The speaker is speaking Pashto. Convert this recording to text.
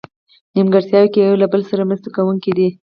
نیمګړتیاوو کې یو له بله سره مرسته کوونکي دي.